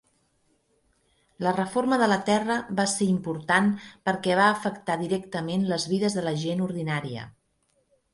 La reforma de la terra va ser important perquè va afectar directament les vides de la gent ordinària.